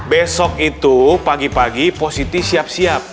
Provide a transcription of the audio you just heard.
besok itu pagi pagi positif siap siap